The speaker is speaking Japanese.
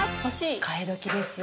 替え時ですよ